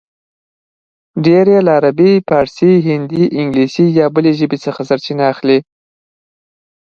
ډېر یې له عربي، فارسي، هندي، انګلیسي یا بلې ژبې څخه سرچینې اخلي